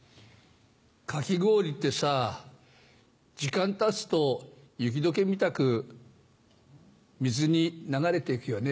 かき氷ってさ時間たつと雪解けみたく水に流れて行くよね。